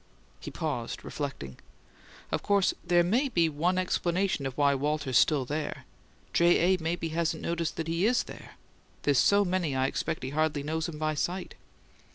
He paused, reflecting. "Of course there may be one explanation of why Walter's still there: J. A. maybe hasn't noticed that he IS there. There's so many I expect he hardly knows him by sight."